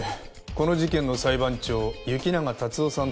この事件の裁判長行永辰夫さん